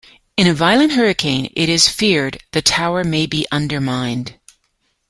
In a violent hurricane, it is feared, the tower may be undermined.